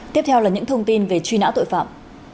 tiếp theo là những thông tin về truy nã tội phạm